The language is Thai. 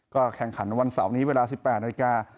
แข่งขันวันเสาร์นี้เวลา๑๘นาฬิกา